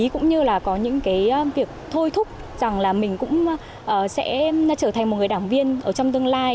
cũng như là có những cái việc thôi thúc rằng là mình cũng sẽ trở thành một người đảng viên ở trong tương lai